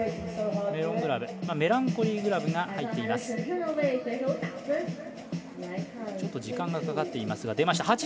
メランコリーグラブが入っています。